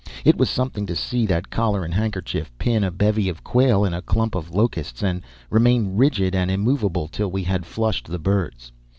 It was something to see that collar and handkerchief pin a bevy of quail in a clump of locusts and remain rigid and immovable till we had flushed the birds.